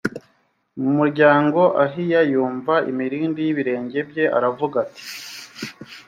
muryango ahiya yumva imirindi y ibirenge bye aravuga ati